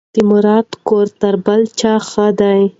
د مراد کور تر بل چا ښه دی.